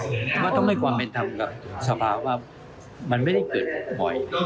ผมว่าต้องให้ความเป็นธรรมกับสภาว่ามันไม่ได้เกิดบ่อย